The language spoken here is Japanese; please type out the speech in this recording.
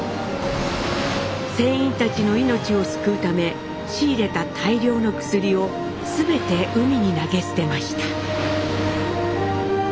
船員たちの命を救うため仕入れた大量の薬を全て海に投げ捨てました。